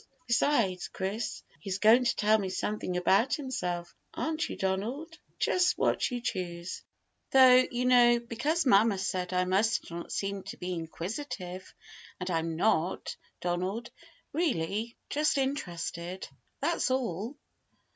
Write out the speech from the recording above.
"Besides, Chris, he is going to tell me something about himself aren't you, Donald? Just what you choose, though, you know, because mamma said I must not seem to be inquisitive, and I'm not, Donald, really just interested, that's all."